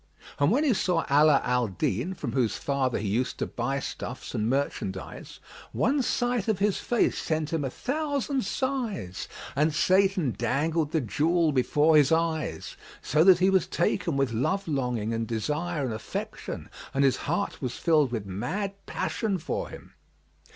And when he saw Ala al Din from whose father he used to buy stuffs and merchandise, one sight of his face sent him a thousand sighs and Satan dangled the jewel before his eyes, so that he was taken with love longing and desire and affection and his heart was filled with mad passion for him.